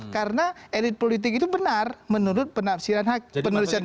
karena elit politik itu benar menurut penafsiran penuturan umum